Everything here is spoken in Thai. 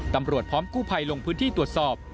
ตำรวจพร้อมคู่ภัยลงพื้นที่ตรวจสอบ